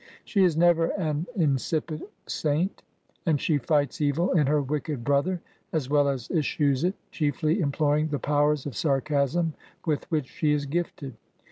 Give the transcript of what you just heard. She is never an insipid saint; and she fights evil in her wicked brother, as well as eschews it, chiefly employing the powers of sarcasm with which she is gifted.